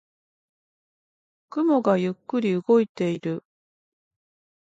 雲がゆっくり動いている。